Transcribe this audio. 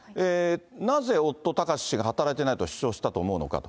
なぜ夫、貴志氏が働いていないと主張したと思うのかと。